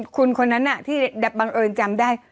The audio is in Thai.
คุณคนนั้นที่บังเอิญจำได้